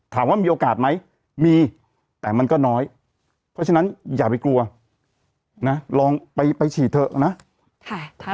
ถามว่ามีโอกาสไหมมีแต่มันก็น้อยเพราะฉะนั้นอย่าไปกลัวนะลองไปฉีดเถอะนะ